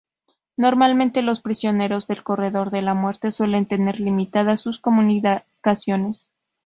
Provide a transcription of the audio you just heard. Normalmente, los prisioneros del corredor de la muerte suelen tener limitadas sus comunicaciones.